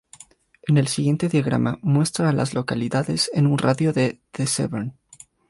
El siguiente diagrama muestra a las localidades en un radio de de Severn.